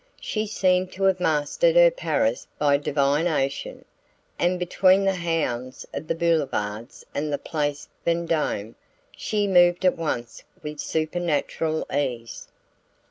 She seemed to have mastered her Paris by divination, and between the hounds of the Boulevards and the Place Vendome she moved at once with supernatural ease.